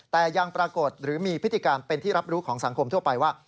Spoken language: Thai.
แต่ยังปรากฏหรือมีพฤติการเป็นที่รับรู้ของสังคมทั่วไปว่า